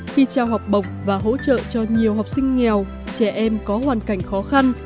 khi trao học bổng và hỗ trợ cho nhiều học sinh nghèo trẻ em có hoàn cảnh khó khăn